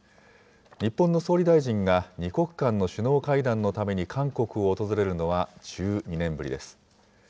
日本の総理大臣が２国間の首脳会談のために韓国を訪れるのは１２年ぶりです。